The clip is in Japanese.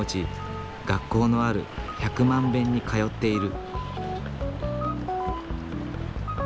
学校のある百万遍に通っている。